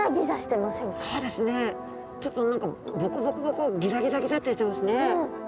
そうですねちょっとボコボコボコギザギザギザってしてますね。